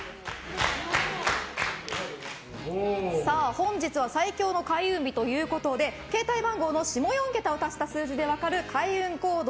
本日は最強の開運日ということで携帯電話の下４桁を足した数字で分かる開運行動